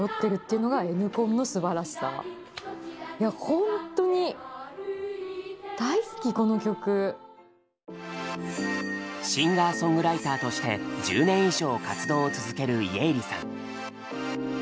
ほんとにシンガーソングライターとして１０年以上活動を続ける家入さん。